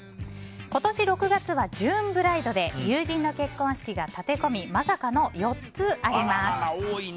今年６月はジューンブライドで友人の結婚式が立て込みまさかの４つあります。